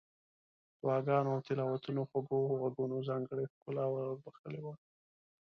دعاګانو او تلاوتونو خوږو غږونو ځانګړې ښکلا ور بخښلې وه.